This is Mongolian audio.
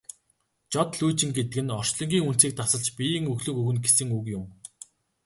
Жод лүйжин гэдэг нь орчлонгийн үндсийг тасалж биеийн өглөг өгнө гэсэн үг юм.